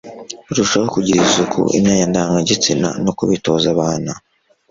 kurushaho kugirira isuku imyanya ndangagitsina no kubitoza abana